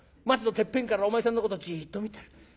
松のてっぺんからお前さんのことじっと見てる。